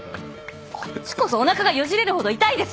こっちこそおなかがよじれるほど痛いです！